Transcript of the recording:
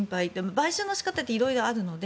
買収の仕方って色々あるので